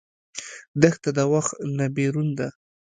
دښته د وخت نه بېرون ده.